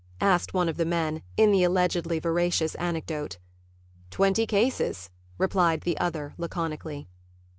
asked one of the men in the allegedly veracious anecdote. "Twenty cases," replied the other laconically.